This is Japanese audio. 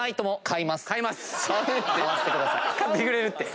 買ってくれるって。